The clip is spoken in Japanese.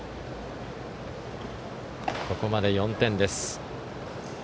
ここまで４点です。